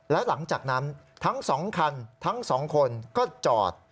และหลังจากนั้นทั้ง๒คันทั้ง๒คนก็จอด